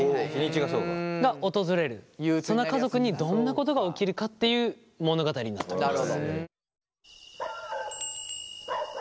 その家族にどんなことが起きるかっていう物語になっております。